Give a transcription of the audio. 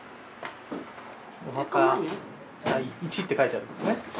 「お墓代１」って書いてあるんですね。